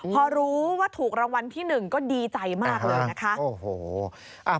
พอรู้ว่าถูกรางวัลที่๑ก็ดีใจมากเลยนะคะ